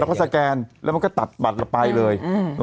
แล้วก็สแกนแล้วมันก็ตัดบัตรเราไปเลย